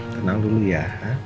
tenang dulu ya